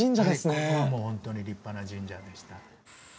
ここはホントに立派な神社でした